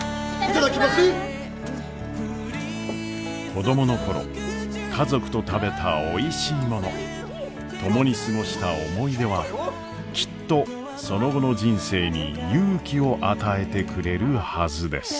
子供の頃家族と食べたおいしいもの共に過ごした思い出はきっとその後の人生に勇気を与えてくれるはずです。